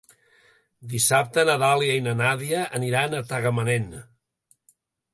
Dissabte na Dàlia i na Nàdia aniran a Tagamanent.